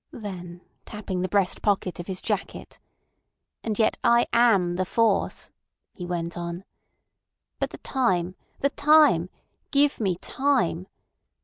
Then tapping the breast pocket of his jacket: "And yet I am the force," he went on. "But the time! The time! Give me time!